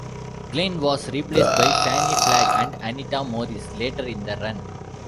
Glynn was replaced by Fannie Flagg and Anita Morris later in the run.